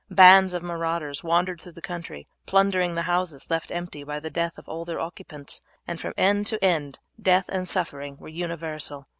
Bands of marauders wandered through the country plundering the houses left empty by the death of all their occupants, and from end to end death and suffering were universal.